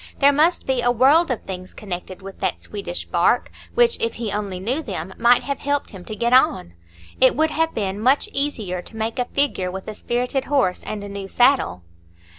There must be a world of things connected with that Swedish bark, which, if he only knew them, might have helped him to get on. It would have been much easier to make a figure with a spirited horse and a new saddle.